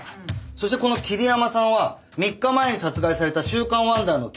そしてこの桐山さんは３日前に殺害された『週刊ワンダー』の契約記者